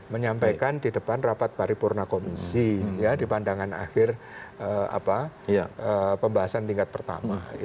menyampaikan di depan rapat paripurna komisi di pandangan akhir pembahasan tingkat pertama